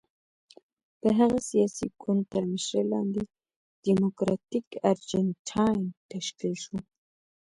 د هغه سیاسي ګوند تر مشرۍ لاندې ډیموکراتیک ارجنټاین تشکیل شو.